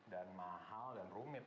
dan mahal dan rumit